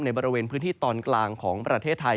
บริเวณพื้นที่ตอนกลางของประเทศไทย